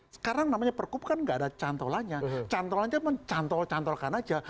sekarang namanya pergub kan nggak ada cantolanya cantolannya mencantol cantolkan saja